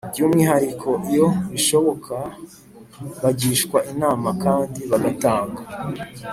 by'umwihariko. iyo bishoboka, bagishwa inama kandi bagatanga